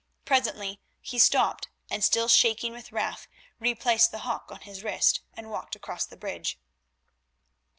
Presently he stopped, and, still shaking with wrath, replaced the hawk on his wrist and walked across the bridge.